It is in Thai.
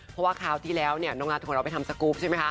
เพราะว่าคราวที่แล้วเนี่ยน้องนัทของเราไปทำสกรูปใช่ไหมคะ